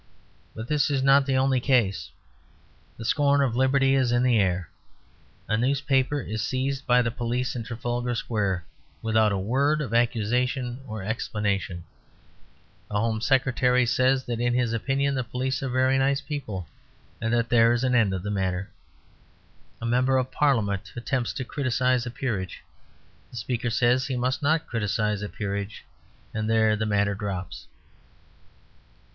But this is not the only case. The scorn of liberty is in the air. A newspaper is seized by the police in Trafalgar Square without a word of accusation or explanation. The Home Secretary says that in his opinion the police are very nice people, and there is an end of the matter. A Member of Parliament attempts to criticise a peerage. The Speaker says he must not criticise a peerage, and there the matter drops.